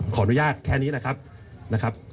ขออนุญาตแค่นี้นะครับ